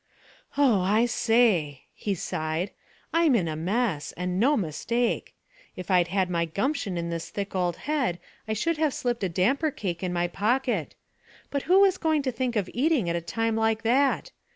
"Oh, I say," he sighed, "I am in a mess, and no mistake! If I'd had any gumption in this thick old head I should have slipped a damper cake in my pocket. But who was going to think of eating at a time like that?